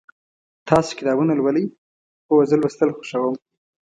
تاسو کتابونه لولئ؟ هو، زه لوستل خوښوم